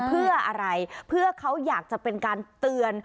เพื่ออะไรเพื่อเขาอยากจะเป็นการเตือน